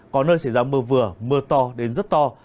có nơi xảy ra mưa vừa mưa to đến rất to